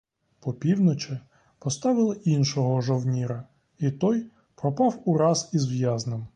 По півночі поставили іншого жовніра, і той пропав ураз із в'язнем.